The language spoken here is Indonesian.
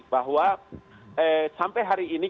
bahwa sampai hari ini